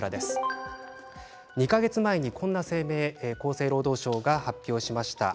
２か月前にはこんな声明を厚生労働省が発表しました。